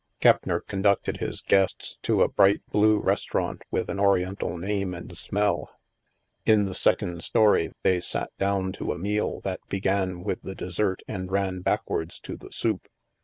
Keppner conducted his guests to a bright blue restaurant with an Oriental name and smell. In the second story they sat down to a meal that be gan with the dessert and ran backwards to the soup.